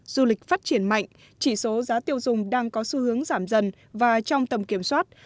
du lịch phát triển mạnh chỉ số giá tiêu dùng đang có xu hướng giảm dần và trong tầm kiểm soát